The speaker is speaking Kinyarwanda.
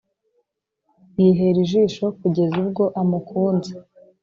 yihera ijisho kugeza ubwo amukunze